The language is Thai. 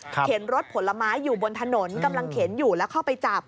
เห็นรถผลไม้อยู่บนถนนกำลังเข็นอยู่แล้วเข้าไปจับ